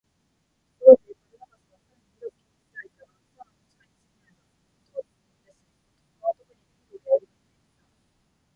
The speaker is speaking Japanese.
ところで、バルナバスは彼にひどく気に入ってはいたが、ただの使いにすぎないのだ、ということを思い出し、この男にビールをやるように命じた。